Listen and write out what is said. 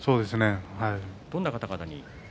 どんな方々に。